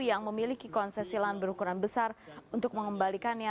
yang memiliki konses silahan berukuran besar untuk mengembalikan